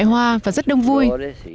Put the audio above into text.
loại hoa và rất đông vui